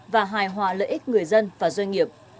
và hài hòa lực lượng của doanh nghiệp